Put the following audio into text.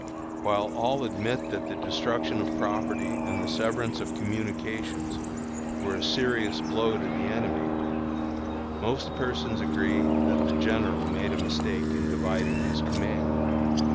While all admit that the destruction of property and the severance of communications were a serious blow to the enemy, most persons agree that the General made a mistake in dividing his command.